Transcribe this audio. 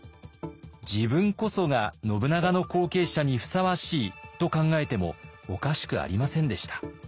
自分こそが信長の後継者にふさわしいと考えてもおかしくありませんでした。